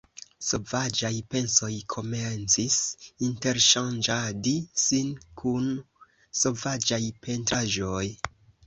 Sovaĝaj pensoj komencis interŝanĝadi sin kun sovaĝaj pentraĵoj.